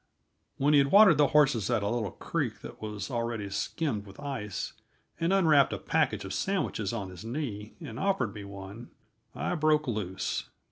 When he had watered the horses at a little creek that was already skimmed with ice, and unwrapped a package of sandwiches on his knee and offered me one, I broke loose.